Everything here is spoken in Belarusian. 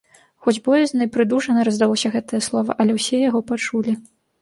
Хоць боязна і прыдушана раздалося гэтае слова, але ўсе яго пачулі.